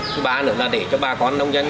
thứ ba nữa là để cho bà con nông dân